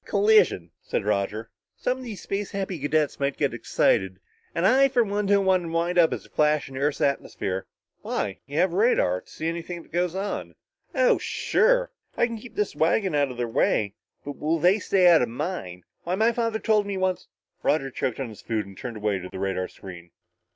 "Collision!" said Roger. "Some of these space happy cadets might get excited, and I for one don't want to wind up as a flash in Earth's atmosphere!" "Why, you have radar, to see anything that goes on." "Oh, sure," said Roger, "I can keep this wagon outa their way, but will they stay outa mine? Why my father told me once " Roger choked on his food and turned away to the radar screen.